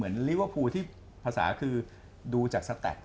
แมทตอนที่จอดันไทยเนสซันโดนใบแดง